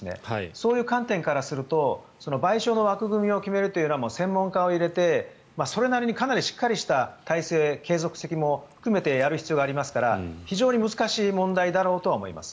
そういう観点からすると賠償の枠組みを決めるのは専門家を入れてそれなりにかなりしっかりした体制継続性も含めてやる必要がありますから非常に難しい問題だろうと思います。